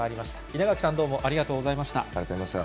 稲垣さん、どうもありがとうございました。